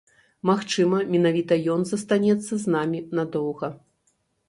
Магчыма, менавіта ён застанецца з намі надоўга.